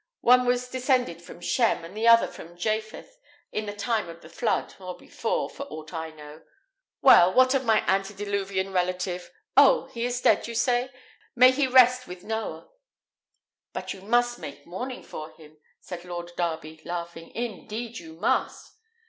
One was descended from Shem, and the other from Japheth, in the time of the flood, or before, for aught I know. Well, what of my antediluvian relative? Oh! he is dead, you say? May he rest with Noah!" "But you must take mourning for him," said Lord Darby, laughing; "indeed you must."